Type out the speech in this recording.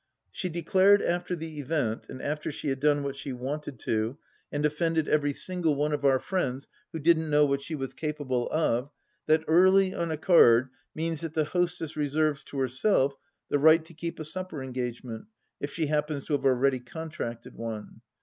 She declared after the event, and after she had done what she wanted to do, and offended every single one of our friends who didn't know what she was capable of, that Early on a card means that the hostess reserves to herself the right to keep a supper engagement, if she happens to have already contracted one.